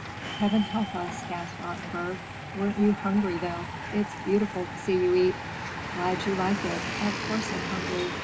"Heaven help us," gasped Ottenburg. "Weren't you hungry, though! It's beautiful to see you eat." "Glad you like it. Of course I'm hungry.